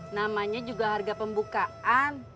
namanya juga harga pembukaan